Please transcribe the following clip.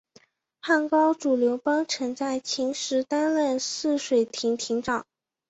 汉高祖刘邦曾在秦时担任泗水亭亭长。